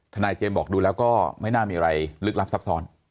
นายเจมส์บอกดูแล้วก็ไม่น่ามีอะไรลึกลับซับซ้อน